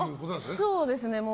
そうですね。